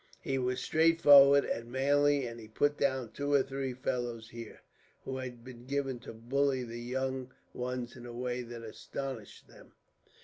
He was straightforward and manly, and he put down two or three fellows here, who had been given to bully the young ones, in a way that astonished them.